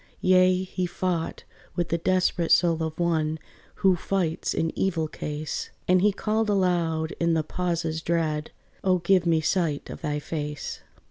Yea, he fought with the desperate soul of one Who fights in evil case: And he called aloud in the pauses dread, "O give me sight of thy face.